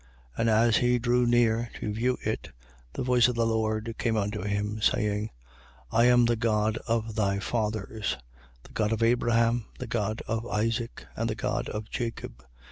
And as he drew near to view it, the voice of the Lord came unto him, saying: 7:32. I am the God of thy fathers: the God of Abraham, the God of Isaac and the God of Jacob.